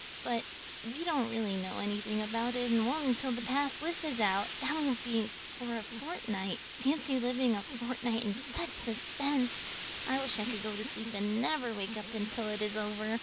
But we don't really know anything about it and won't until the pass list is out. That won't be for a fortnight. Fancy living a fortnight in such suspense! I wish I could go to sleep and never wake up until it is over."